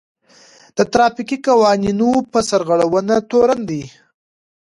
د ټرافيکي قوانينو په سرغړونه تورن دی.